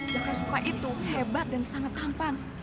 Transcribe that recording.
jaka suka itu hebat dan sangat tampan